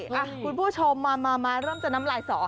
คุณผู้ชมมามาเริ่มจะน้ำลายสอ